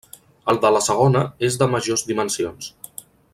El de la segona és de majors dimensions.